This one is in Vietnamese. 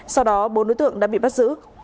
sau đó bốn đối tượng đã bị bắt giữ